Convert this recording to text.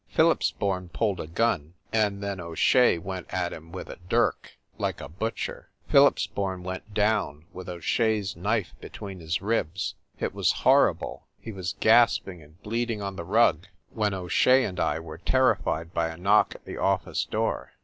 Phillipsborn pulled a gun and then O Shea went at him with a dirk, like a butcher. Phillipsborn went down with O Shea s knife be tween his ribs. It was horrible ; he was gasping and bleeding on the rug when O Shea and I were terri fied by a knock at the office door."